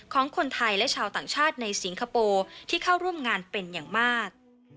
ของคนไทยและชาวต่างชาติในสิงคโปร์ที่เข้าร่วมงานเป็นอย่างมาก